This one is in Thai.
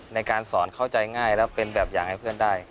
ในการสอนเข้าใจง่ายและเป็นแบบอย่างให้เพื่อนได้